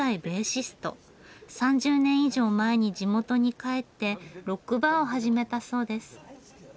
３０年以上前に地元に帰ってロックバーを始めたそうです。